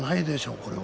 これは。